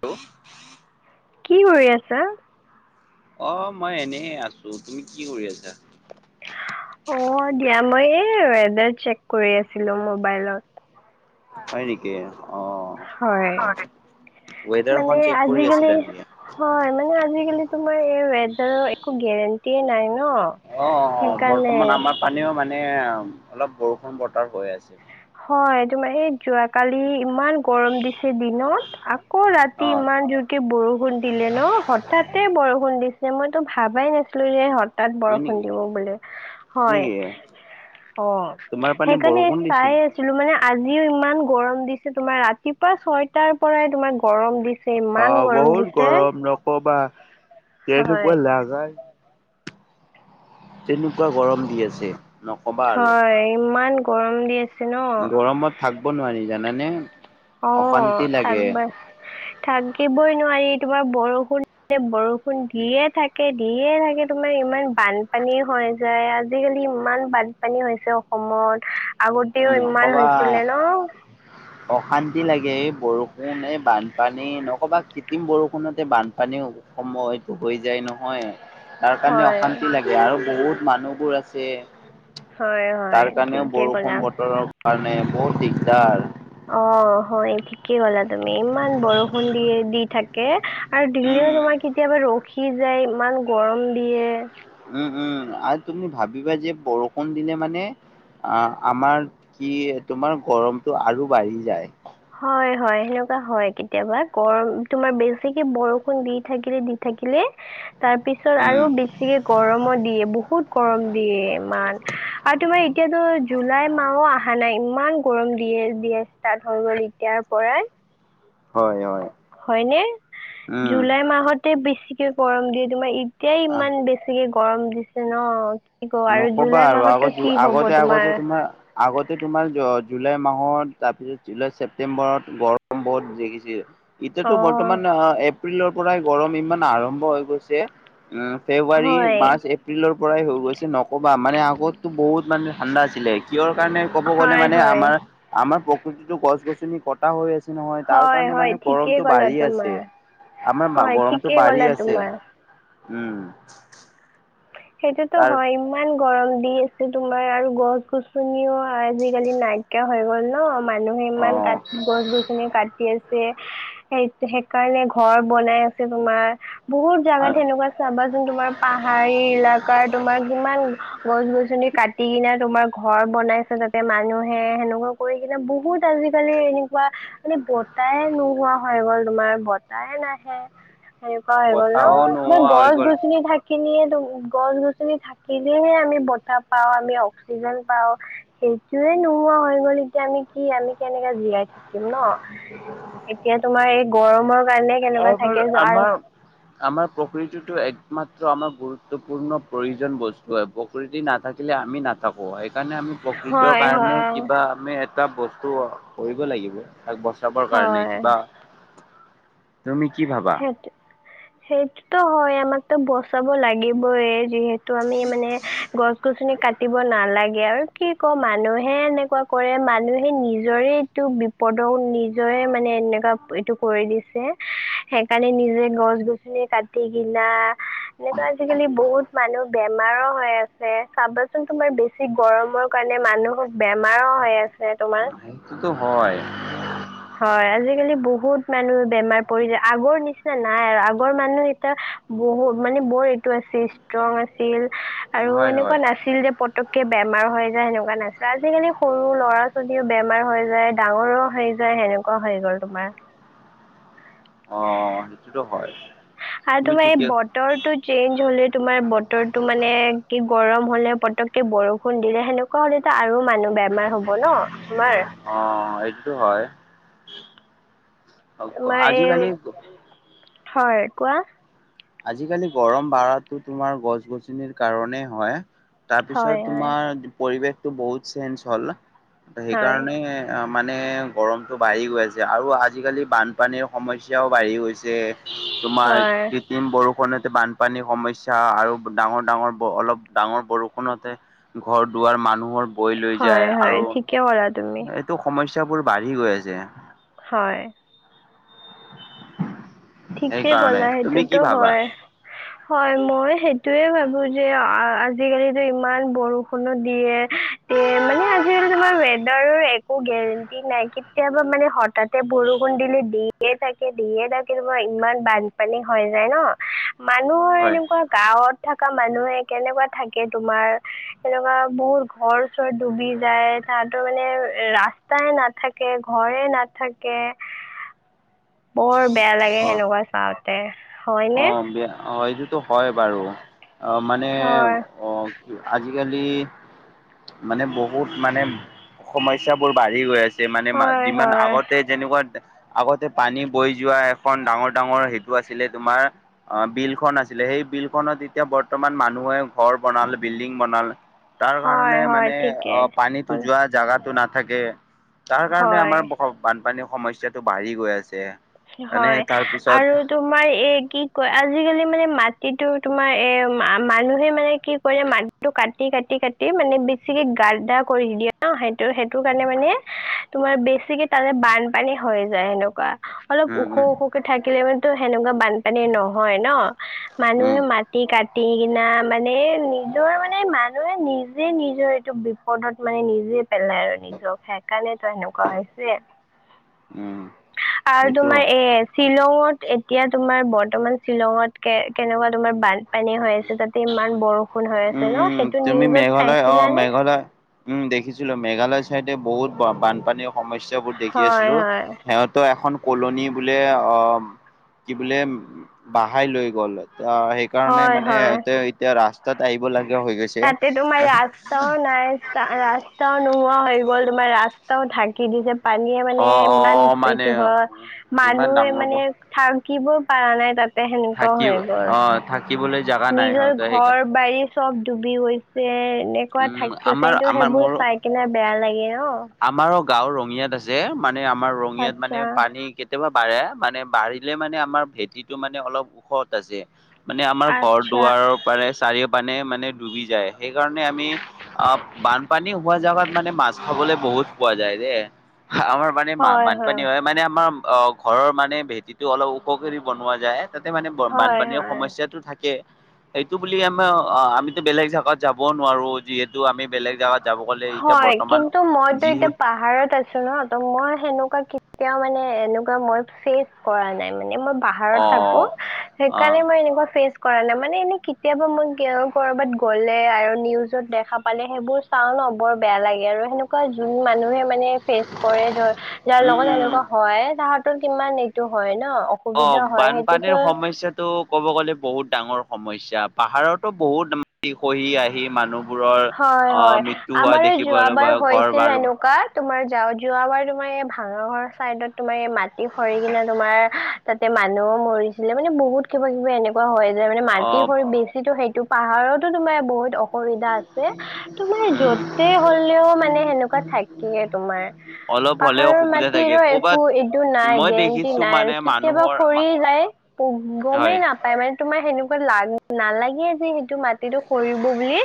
টো [unintelligible] কি কৰি আছা? অ মই এনে আছো, তুমি কি কৰি আছা? অ দিয়া মই এই ৱেডাৰ চেক কৰি আছিলো মবাইলত। হয় নেকি? অ হয়। মানে ৱেডাৰখন চেক কৰি আজিকালি, আছিলা নেকি হয় মানে আজিকালি তোমাৰ ৱেদাৰৰ একো [unintelligible] গেৰেণ্টিয়ে নাই ন। অ সেইকাৰণে বৰ্তমান আমাৰ পানীও মানে অলপ বৰষুণ বতৰ হৈ আছে। হয় তোমাৰ এই যোৱাকালি ইমান গৰম দিছে দিনত আ আকৌ ৰাতি অ ইমান জোৰকে বৰষুণ দিলে ন? হঠাতে বৰষুণ দিছিল। যে মইতো ভাবাই নাছিলো যে হঁত [unintelligible] তাত হয় বৰষুণ নেকি দিব বোলি হয়। নেকি অ তোমাৰ পানে সেইকাৰণে বৰষুণ [unintelligible] চাই দিছিল আছিলো মানে আজিও ইমান গৰম দিছে, তোমাৰ ৰাতিপুৱা ছয়টাৰ পৰাই তোমাৰ গৰম দিছে অ ইমান গৰম বহুত দিছে গৰম নকবা হয় তেনেকুৱা লাগাই তেনেকুৱা গৰম দি আছে। নকবা আৰু হয় ইমান গৰম দি আছে। ন গৰমত থাকিব নোৱাৰি জানানে। অ অশান্তি লাগে থাকিবা থাকিবই নোৱাৰি তোমাৰ বৰষুণ বৰষুণ দিয়ে থাকে দিয়ে থাকে তোমাৰ ইমান বানপান পানী হৈ যায় আজিকালি ইমান বানপানী হৈছে অসমত। আগত তেওঁও ইমান নকবা হৈছিলে ন? অশান্তি লাগে, এই বৰষুণ এই বানপানী নকবা কৃত্ৰিম বৰষুণতে বানপানী হ' সময়টো হৈ যায় নহয়। তাৰ কাৰণে হয় অশান্তি লাগে আৰু বহুত মানুহবোৰ আছে হয় হয় তাৰ কাৰণেও ঠিকে বৰষুণ ক'লা বতৰৰ কাৰণে বহুত দিগদাৰ। অ হয় ঠিকেই কলা তুমি, ইমান বৰষুণ দিয়ে দি থাকে। আৰু দিলেও উম, তোমাৰ কেতিয়াবা ৰখি যায় ইমান গৰম দিয়ে উম উম আৰু তুমি ভাবিবা যে বৰষুণ দিলে মানে- অ আমাৰ কি তোমাৰ গৰমতটো আৰু বাঢ়ি যায়। হয় হয় সেনেকুৱা হয়, কেতিয়াবা গৰম তুমাৰ বেছিকে বৰষুণ দি থাকিলে দি থ থাকিলে তাৰপিছত উম, আৰু বেছিকে গৰমো দিয়ে, বহুত গৰম দিয়ে ইমান আৰু তোমাৰ এতিয়াতো জুলাই মাহও অহা নাই ইমান গৰম দিয়ে বিয়া ষ্টাৰ্ট হৈ গ'ল এতিয়াৰ পৰাই। হয়, হয়, হয়নে? উম, জুলাই মাহত ত বেছিকে গৰম দিয়ে, তোমাৰ এতিয়াই আহ ইমান বেছিকে গৰম দিছে ন। কি ক আৰু নকবা জুলাই আৰু আগ মাহতো কি হব আগতে আগতে তোমাৰ আগতে তোমাৰ জুলাই মাহত তাৰপিছত জুলাই ছেপ্তেম্বৰত গৰম বহুত দেখিছিল। অ এতিয়াতো বৰ্তমান আহ এপ্ৰিলৰ পৰাই গৰম ইমান আৰম্ভ হৈ গৈছে। উম ফেব্ৰুৱাৰী হয় মাৰ্চ এপ্ৰিলৰ পৰাই হৈ গৈছে। নকবা মানে আগতো বহুত মানে ঠাণ্ডা আছিলে। কিহৰ কাৰণে ক'ব গ'লে হয় মানে হয় আমাৰ আমাৰ প্ৰকৃতিতো গছ গছনি কটা হৈ আছে। নহয় তাৰ হয় কাৰণে হয় মানে ঠিকেই গৰমতটো ক'লা বাঢ়ি আছে। তোমাৰ আমাৰ হয় গৰমটো ঠিকেই বাঢ়ি ক'লা আছে, তোমাৰ উম সেইটোতো তাৰ হয় ইমান গৰম দি আছে তোমাৰ আৰু গছ গছনিও আজিকালি নাইকিয়া হৈ গ'ল ন। মানুহে ইমান কাট গছ গছনি কাটি আছে। স সেইকাৰণে ঘৰ বনাই আছে তোমাৰ বহুত জোগা অ'। তেনেকুৱা চাবা যোন তোমাৰ পাহ পাৰী এলকাৰাৰ তোমাৰ কিমান গছ গছনি কাটি তোমাৰ ঘৰ বনাইছে তাতে মানুহে সেনেকুৱা কৰি কিনে বহুত আজিকালি এনেকুৱা। মানে বতাহে নোহোৱা হৈ গ'ল তোমাৰ বতাহ নাহে। সেনেকুৱা হৈ গ'ল ন বতাহও তোমাৰ নোহোৱা হৈ গছ গ'ল গছনি থাকি। খিনিয়েম গছ গছনি থাকিলেহে আমি বতাহ পাওঁ। আমি অক্সিজেন পাও। এইটোয়ে নোহোৱা হৈ গ'ল এতিয়া আমি কি আমি কেনেকাে জীয়াই থাকো? ম ন এতিয়া তোমাৰ এই গৰমৰ কাৰণে কেনেকুৱা থাকে [inaudible] আৰু আমাৰ আমাৰ প্ৰকৃতিতো এক মাত্ৰ আমাৰ গুৰুত্বপূৰ্ণ প্ৰয়োজন বস্তু হয় প্ৰকৃতি নাথাকিলে আমি নাথাকো। সেইকাৰণে আমি প্ৰকৃতৰ হয় কাৰণে হয় কিবা আমি এটা বস্তু কৰিব লাগিব। তাক বচাবৰ কাৰণে হয় কিবা তুমি কি ভাবা? সেইটো সেইটোতো হয় আমাকতো বচাব লাগিবই। যিহেতু আমি মানে গছ গছনি কাট দ নালাগে আৰু কি ক মানুহে এনেকুৱা কৰে মানুহে নিজৰে এইটো বিপদ [inaudible] তেওঁ নিজৰে মানে এনেকুৱা এইটো কৰি দিছে। সেইকাৰণে নিজে গছ গছনি কাটি কিনা এনেকুৱা আজিকালি বহুত মানুহ বেমাৰ বেমাৰ হৈ আছে চাবাচোন তোমাৰ বেছি গৰমৰ কাৰণে মানুহক বেমাৰো হৈ আছে তোমাৰ টোতো হয়। হয়, আজিকালি বহুত মানুহে বেমাৰ পৰি যায় আগৰ নিচিনা নাই আৰু আগৰ মানুহ এতিয়া বহুত মানে বৰ এইটো আছিল ষ্ট্ৰং আছিল, আৰু হয় এনেকুৱা হয় নাছিল যে প তককে বেমাৰ হৈ যায় সেনেকুৱা নাছিল। আজিকালি সৰু ল'ৰা -ছোৱালীও বেমাৰ হৈ যায়, ডাঙৰো হৈ যায় সেনেকুৱা হৈ গ'ল তোমাৰ। সেইটো হয়। আৰু তুমি তোমাৰ এই ঠিকে বতৰটো চেঞ্জ হ'লে তোমাৰ বতৰটো মানে কি গৰম হ'লে পতককে বৰষুণ দিলে সেনেকুৱা হ'লে এ আৰু মানুহ বেমাৰ হব ন তোমাৰ। অ এইটো হয়। অক তোমাৰ এই আজিকালি হয় কোৱা? আজিকালি গৰম বাঢ়াতো তোমাৰ গছ গছনিৰ কাৰণেই হয়। হয় তাৰপিছত হয় তোমাৰ পৰিৱেশটো বহুত চেঞ্জ হ'ল, হয় সেইকাৰণে মানে গৰমটো বাঢ়ি গৈ আছে আৰু আজিকালি বানপানীৰ সমস্যাও বাঢ়ি গৈছে। তোমাৰ হয় বৰষুণতে বানপানীৰ সমস্যা আৰু ডাঙৰ ডাঙৰ অলপ ডাঙৰ বৰষুণতে ঘ দুৱাৰ মানুহৰ বৈ লৈ হয় যায় হয় আৰু ঠিকে ক'লা তুমি এইটো সমস্যা স্যাবোৰ বাঢ়ি গৈ আছে। হয়। ঠিকে সেইকাৰণে ক'লা তুমি কি সেইটোতো ভাবা হয়, হয় মই সেইটোয়ে ভাবো বোযে আ আজিকালি যে ইমান বৰষুনো দিয়ে তে মানে আজিকালি তোমাৰ এডাৰো একো গেৰেণ্টি নাই কেতিয়াবা মানে হঠাতে বৰষুণ দিলে দিয়ে থাকে দিয়ে থাক কেতিয়াবা ইমান বানপানী হৈ যায় ন, মানুহৰ হয়। এনেকুৱা গাঁৱত থকা মানুহে কেনেকুৱা থাকে তোমাৰ, সেনেকুৱা বহুত ঘৰ চৰ ডুবি যায় কথাতো মানে ৰাস্তাই নাথাকে, ঘৰে নাথাকে বৰ বেয়া লাগে অ সেনেকুৱা চাওঁতে। অ হয়নে বেয়া অ সেইটোতো হয় বাৰু। অ মানে, হয় অ আজিকালি মানে বহুত মানে সমস্যাবোৰ বাঢ়ি গৈ আছে। যিমানে হয় যিমান হয় আগতে যেনেকুৱা আগতে পানী বৈ যোৱা এখন ডাঙৰ -ডাঙৰ সেইটো আছিলে তোমাৰ অ বিলখন আছিলে, সেই বিলখনত এতিয়া বৰ্তমান মানুহে ঘৰ বনালে বিল্ডিং বনাল তাল, তাৰ হয় কাৰণে হয় মানে ঠিকে অ পানীটো ক'লা। যোৱা জাগাতো নাথাকে। তাৰ কাৰণে হয় আমাৰ বানপানীৰ সমস্যাটো বাঢ়ি গৈ আছে। এনে হয় তাৰপিছত আৰু তোমাৰ এ কি কয় আজিকালি মানে মাটিটো তোমাৰ এ মানুহে মানে কি কৰিলে মাটিটো কাটি কাটি কাটি মানে বেছিকে গাদ্দা কৰি দিয়ে ন সেটো সেইটো কাৰণে মানে তোমাৰ বেছ ছিকে তাৰে বানপানী হৈ যায় সেনেকুৱা। অলপ উম, ওখ উম, ওখকে থাকিলে মানেটো সেনেকুৱা বানপানী নহয় ন? উম। মানুহে মাটি কাট টিকিনা মানে নিজৰ মানে মানুহে নিজে নিজৰ এইটো বিপদত মানে নিজে পেলাই আৰু নিজক সেইকাৰণেতো এনেকুৱা হৈছে। উম। তাৰ আৰু এইটো তোমাৰ এ শ্বিলঙত এতিয়া তোমাৰ ব ৰ্তমান শ্বিলঙত কে কেনেকুৱা তোমাৰ বানপানী হৈ আছে তাতে ইমান বৰষ উম উম, তুমি মেঘালয় অ চাইছিলানে? মেঘালয় উম দেখিছিলো মেঘালয় চাইডে বহুত বানপানীৰ সমস্যাবোৰ দেখি হয় আছিলো। হয় সিহঁতৰ এখন কুলনি বোলে অ কি বোলে বাহাই লৈ গ'ল। অ সেইকাৰণে হয় মানে হয় তেও এতিয়া ৰাস্তাত আহিব লা তাতে তোমাৰ ৰাস্তাও নাই ৰাস্তাও নোহোৱা হৈ বল তোমাৰ ৰাস্তাও ঢাকি দিছে। পানীয়ে মানে অ', ইমান অ', মানে এইটো হয় ইমান মানুহে ডাঙৰ মানে ব- থাক। কিব পৰা নাই তাত। সেনেকুৱা থাকি হৈ গল অ' থাকিবলৈ জাগা নাই নিজৰ সিহঁতৰ ঘৰ সেইকাৰণে বাৰী চব। যি হৈছে। এনেকুৱা উম, আমাৰ থাকিছেতটো আমাৰ সেইবোৰ মোৰ চাই কিনে বেয়া লাগে ন। যে মানে আমাৰ ৰঙিয়াত আচ্ছা, মানে পানী কেতিয়াবা। বাঢ় মানে বাঢ়িলে মানে আমাৰ ভেটিটো মানে অলপ ওখত আছে। মানে আমাৰ ঘৰ আচ্ছা। দুৱাৰৰ পপৰা চাৰিও পানে মানে ডুবি যায় সেইকাৰণে। আমি অ বানপানী হোৱা জোগাত মানে মাছ খাবলৈ বহুত পোৱা যায় যে। আমাৰ মানে মা বানপানী হয় মানে আমাৰ। অ ঘৰৰ মানে ভেটিটো অলপ উখকৰি বনোৱা যায়। তাতে মানে হয়, বানপানীৰ হয়। সমস্যাটো থাকে। এইটো বুলি আমা আমিতো বেলেগ জাগাত যাব নোৱাৰো যিহেতু আমি বেলেগ জাগাত। হয় কিন্তু মইতো এতিয়া পাহাৰত আছো ন ত মই সেনেকুৱা। তেওঁ মানে এনেকুৱা মই ফেচ কৰা নাই মানে মই। পাহাৰত থাকো অ', সেইকাৰণে অ', মই এনেকুৱ ফেচ। কৰা নাই মানে এনেই কেতিয়াবা মই কৰবাত গ'লে আৰু নিউজত দেখা পালে সেইবোৰ চাও ন। বৰ বেয়া লাগে আৰু সেন। কোৱ যোন মানুহে মানে ফেচ কৰেৰ যাৰ লগত উম। সেনেকুৱা হয় তাহ। টো কিমান এইটো হয়। ন অ অসুবিধা হয় বানপানীৰ সেইটোতো সমস্যাটো কব গ'লে বহুত ডাঙৰ। সমস্যা পাহাৰতো বহুত খহি আহি মানুহ। হয় হয় আমাৰ দেখিবলৈ বা যোৱাবাৰ ঘৰ হৈছিল বাৰ এেনেকুৱাত। তোমাৰ যা যোৱাবাৰ তোমাৰ এই ভাঙৰৰ চাইডত তোমাৰ এই মাটি খহি কিনে তোমাৰ তাতে। মানুহো মৰিছিলে মানে বহুত কিবা কিবি এনেকুৱা হয়। যে মানে মাটি অ', খহি বেছিটো সেইটো পাহাৰতো তোমাৰ বহুত অসুবিধা আছ। ছে তোমাৰ উম, যতে হলেও মানে সেনেকুৱা থাকে তোমাৰ। অলপ হ'লেও পাহাৰৰ অসুবিধা থাকে মাটিৰো ক'বাত একো এইটো নাই মই গেৰেণ্টি দেখিছো নাই আৰু মানে কেতিয়াবা মানুহৰ মা খৰি যাই। গমেই হয়, নাপায় মানে তোমাৰ সেনেকুৱা। নালাগিয় যে সেইটো মাটিটো সৰিব বুলি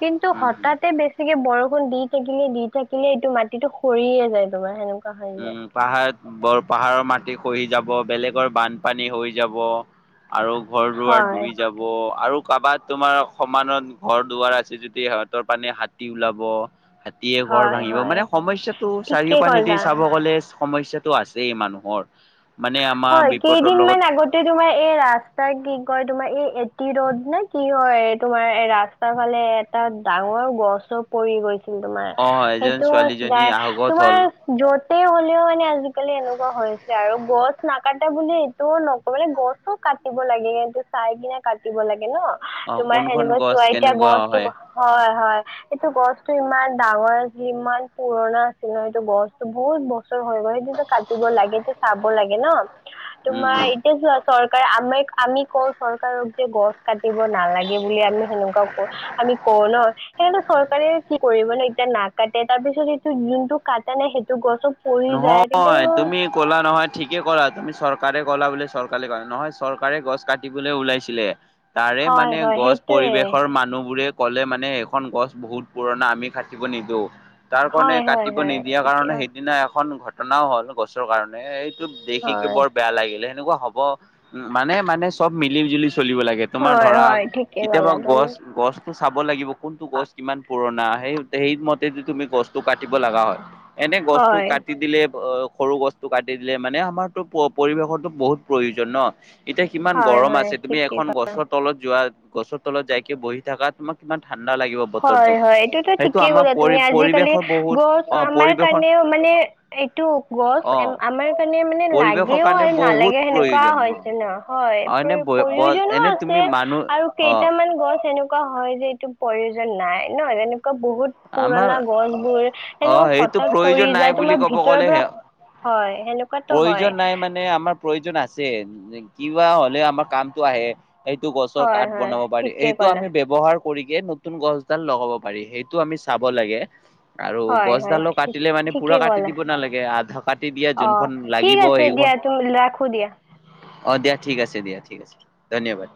কিন্তু উম। উম। হঠাতে বেছি। কে বৰষুণ দি থাকিলে দি থাকিলে এইটো মাটিতটো সৰিয়ে যায় তোমাৰ সেনেকুৱা। হৈ উম যায় পাহাৰত বৰ পাহাৰৰ মাটি খহি যাব বেলেগৰ বানপানী হৈ যাব আৰু ঘৰ দুৱাৰ হয় ডুবি যাব আৰু কাৰবাৰ তোমাৰ সমানত ঘৰ দুৱাৰ আছে যদি সিহঁতৰ পানে হাতী ওলাব হাতীয়ে ঘৰ হয় ভাঙিব হয় মানে সমস্যাটো চাৰিও ঠিকেই পিনেদি ক'লা সমস্যাটো আছেই মানুহৰ মানে আমাৰ হয় বিপদৰ কেইদিন লগত মান আগতে তোমাৰ এই ৰাস্তা কি কয় তোমাৰ এই তিৰদ নে কি হয় তোমাৰ ৰাস্তাৰ ফালে এটা ডাঙৰ গছো পৰি গৈছে পৰিছিল তোমাৰ অ', এজন সেইটো ছোৱালীজনী আহগত তোমাৰ হ'ল। য'ত গোটেই হ'লেও মানে আজিকালি এনেকুৱা হৈছে আৰু গছ নাকাটে বুলি এইটোও নকও কিন্ত গছো কাটিব লাগে এইটো চাই কিনে কাটিব লাগে ন অ', তোমাৰ কোনখন সেনেকুৱা গছ চোৱা এতিয়া কেনেকুৱা গছটো হয় হয় হয় সেইটো গছটো ইমান ডাঙৰ আছিল ইমান পুৰণা আছিল ন সেইটো গছতো বহুত বছৰ হৈ গ'ল সেইটোটো কাটিব লাগে চাব লাগে ন উম, তোমাৰ উম। এতিয়া চোৱা চৰকাৰ আমাক আমি কওঁ চৰকাৰক যে গছ কাটিব নালাগে বুলি আমি সেনেকুৱাও কওঁ আমি কও ন সেইনো চৰকাৰে কি কৰিব ন এতিয়া নাকাটে তাৰ পিছত এইটো যোনটো কাটা নাই সেইটো সেইটো গছত পৰি যায় তেতিয়া নহয় তুমি ক'লা নহয় ঠিকেই কলা তুমি চৰকাৰে ক'লা বোলে চৰকাৰে কলা নহয় চৰকাৰে গছ কাটিবলৈ ওলাইছিলে তাৰে মানে হয় হয় গছ সেইটোৱে পৰিৱেশৰ মানুহবোৰে। ক'লে মানে সেইখন গছ বহুত পুৰণা আমি কাটিব নিদিওঁ তাৰ কাৰণে হয় হয় কাটিব হয় নিদিয়াৰ ঠিকে কাৰণে সেইদিনা। এখন ঘটনাও হল গছৰ কাৰণে এইটো দেখিকে হয় বৰ বেয়া লাগিলে। তেনেকুৱা হ'ব উ মানে মানে চব মিলি জুলি চলিব লাগে তোমাৰ হয় ধৰা হয় ঠিকে কেতিয়াবা ক'লা তুমি গছ গছো চাব লাগিব কোনটো গছ কিমান পুৰণা পুৰনা সেই সেই মতে যদি তুমি গছটো কাটিব লগা হয় এনেই গছটো হয় কাটি দিলে অঁ সৰু গছটো কাটি দিলে মানে আমাৰতো পৰিৱেশৰো বহুত প্ৰয়োজন ন এতিয়া কিমান হয় গৰম হয় আছে তুমি ঠিকে এখন ক'লা গছৰ তলত যোৱা গছৰ তলত যাইকে বহি থাকা তোমাক কিমান ঠাণ্ডা লাগিব হয় বতৰটো হয় এইটোতো সেইটো ঠিকেই আমাৰ ক'লা পৰি তুমি আজিকালি পৰিৱেশৰ বহুত গছ অ আমাৰ পৰিৱেশন কাৰণেও মানে এইটো গছ অ আমাৰ কাৰণে মানে পৰিৱেশৰ লাগেও কাৰণে আৰু বহুত নালাগে সেনেকুৱা প্ৰয়োজন হয়। হৈছে ন হয় অ এনে ব বল প্ৰয়োজনো এনে তুমি আছে মানুহ আৰু অ কেইটামান গছ এনেকা এনেকুৱা হয় যে এইটো প্ৰয়োজন নাই ন এনেকৱা বহুত আমাৰ পুৰণা গছ বোৰ অ এনেকুৱা সেইটো হঠাৎ পৰি প্ৰয়োজন নাই যায় বুলি তোমাৰ ক'ব ভিতৰৰ পৰা গ'লে হয় সেনেকুৱাটো হয়। প্ৰয়োজন নাই মানে আমাৰ প্ৰয়োজন আছে কিবা হলে আমাৰ কামটো আহে এইটো গছৰ হয় কাঠ হয় বনাব পাৰি ঠিকে এইটো ক'লা আমি ব্যৱহাৰ কৰিকে নতুন গছডাল লগাব পাৰি সেই সেইটো আমি চাব লাগে। আৰু হয় হয় গছডালো ঠি- কাটিলে মানে ঠিকে পুৰা কাটি ক'লা দিব নালাগে আধা কাটি দিয়া যোনখন লাগিব সেইখন এটো ৰাখো দিয়া। অঁ দিয়া ঠিক আছে দিয়া ঠিক আছে ধন্যবাদ।